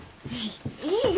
いいよ。